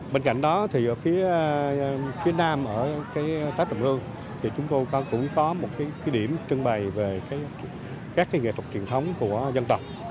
bên cạnh đó phía nam ở tát trọng hương chúng tôi cũng có một điểm trưng bày về các nghệ thuật truyền thống của dân tộc